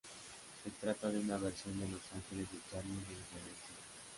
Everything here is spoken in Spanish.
Se trata de una versión de Los Ángeles de Charlie de Indonesia.